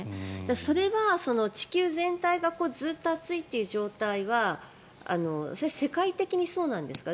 それは地球全体がずっと暑いという状態は世界的にそうなんですか？